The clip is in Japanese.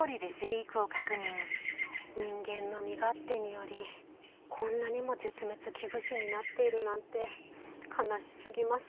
人間の身勝手によりこんなにも絶滅危惧種になっているなんて悲しすぎます。